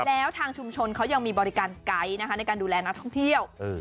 แล้วทางชุมชนเขายังมีบริการไกด์นะคะในการดูแลนักท่องเที่ยว